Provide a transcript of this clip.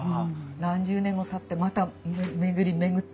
何十年もたってまた巡り巡ってね